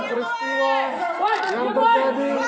peristiwa yang berkata